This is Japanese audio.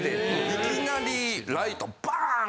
いきなりライトバン！